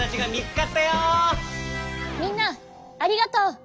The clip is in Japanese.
みんなありがとう！